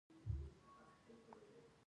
دوی څومره پانګه لري؟